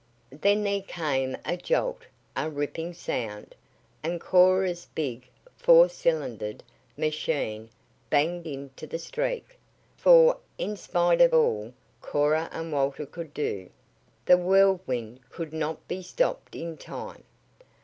Then there came a jolt, a ripping sound, and Cora's big, four cylindered machine banged into the Streak, for, in spite of all Cora and Walter could do, the Whirlwind could not be stopped in time.